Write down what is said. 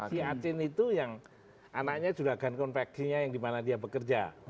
si atin itu yang anaknya juga guncon vaccine nya yang dimana dia bekerja